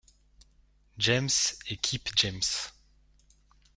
James et Kip James.